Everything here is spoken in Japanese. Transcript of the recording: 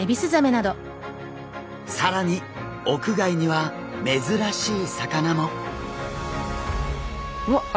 更に屋外には珍しい魚も。